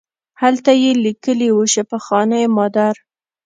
هلته یې لیکلي وو شفاخانه مادر.